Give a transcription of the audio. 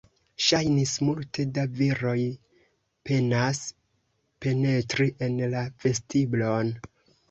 Ŝajnis, multe da viroj penas penetri en la vestiblon.